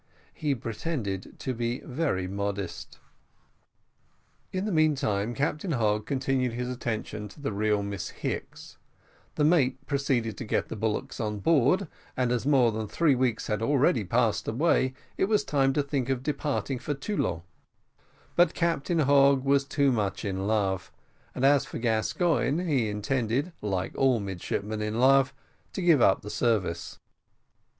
He pretended to be very modest. In the meantime Captain Hogg continued his attentions to the real Miss Hicks; the mate proceeded to get the bullocks on board, and as more than three weeks had already passed away, it was time to think of departing for Toulon; but Captain Hogg was too much in love, and as for Gascoigne, he intended, like all midshipmen in love, to give up the service.